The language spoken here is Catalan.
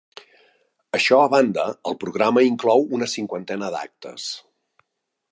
Això a banda, el programa inclou una cinquantena d’actes.